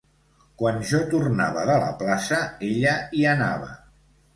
Quan jo tornava de la plaça, ella hi anava.